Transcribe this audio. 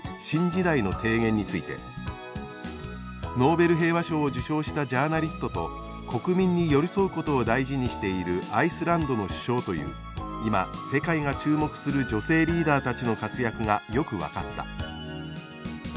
新時代の提言」について「ノーベル平和賞を受賞したジャーナリストと国民に寄り添うことを大事にしているアイスランドの首相という今世界が注目する女性リーダーたちの活躍がよく分かった」